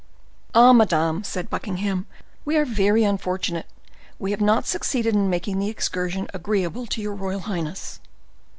"Ah, madam," said Buckingham, "we are very unfortunate! We have not succeeded in making the excursion agreeable to your royal highness."